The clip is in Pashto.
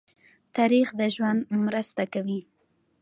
تاریخ د ژوند مرسته کوي.